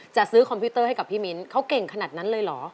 จะซื้อคอมพิวเตอร์ให้กับพี่มิ้นเขาเก่งขนาดนั้นเลยเหรอ